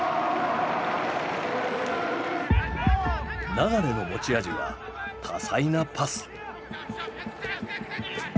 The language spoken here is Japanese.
流の持ち味は多彩なパス。